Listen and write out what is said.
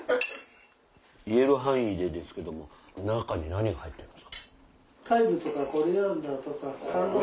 言える範囲でいいですけども中に何が入ってるんですか？